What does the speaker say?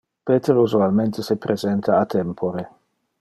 Peter usualmente se presenta a tempore.